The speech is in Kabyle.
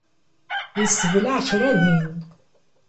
Yessebleɛ kra din.